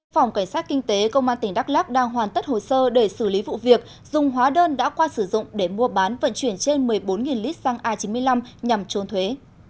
phòng cảnh sát kinh tế công an tỉnh đắk lắc đang hoàn tất hồ sơ để xử lý vụ việc dùng hóa đơn đã qua sử dụng để mua bán vận chuyển trên một mươi bốn lít xăng a chín mươi năm nhằm trốn thuế